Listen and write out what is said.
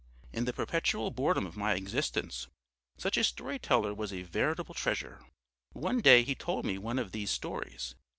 In the perpetual boredom of my existence such a story teller was a veritable treasure. One day he told me one of these stories.